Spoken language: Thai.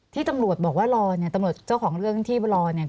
ที่ตำรวจบอกว่ารอเนี่ยตำรวจเจ้าของเรื่องที่รอเนี่ย